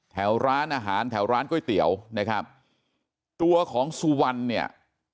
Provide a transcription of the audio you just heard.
แถวร้านอาหารแถวร้านก๋วยเตี๋ยวนะครับตัวของสุวรรณเนี่ย